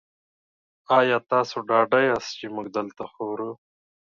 ایا تاسو ډاډه یاست چې موږ دلته خورو؟